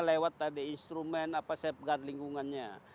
lewat tadi instrumen safeguard lingkungannya